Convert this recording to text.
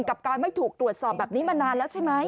กับการไม่ถูกตรวจสอบแบบนี้มานานแล้วใช่ไหม